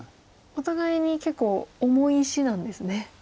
お互いに結構重い石なんですね。